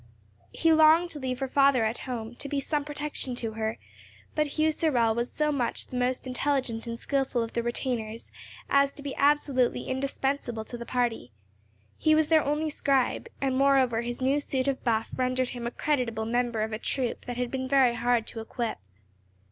He longed to leave her father at home, to be some protection to her, but Hugh Sorel was so much the most intelligent and skilful of the retainers as to be absolutely indispensable to the party—he was their only scribe; and moreover his new suit of buff rendered him a creditable member of a troop that had been very hard to equip.